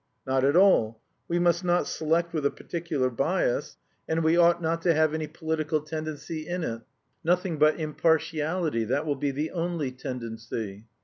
"Not at all, we must not select with a particular bias, and we ought not to have any political tendency in it. Nothing but impartiality that will be the only tendency."